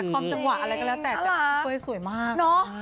แต่ความจังหวะอะไรก็แล้วแต่แต่เป้ยสวยมาก